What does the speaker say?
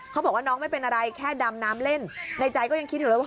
เขาบอกว่าน้องไม่เป็นอะไรแค่ดำน้ำเล่นในใจก็ยังคิดอยู่เลยว่า